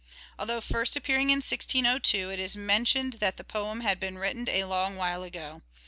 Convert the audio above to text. Although first appearing in 1602 it is mentioned that the poem had been written a long while ago.